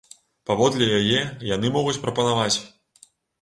Паводле яе, яны могуць прапанаваць.